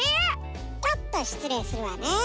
ちょっとしつれいするわね。